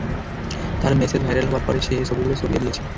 তার message viral হবার পরে, সে এ ছবিগুলো ছড়িয়ে দিয়েছে।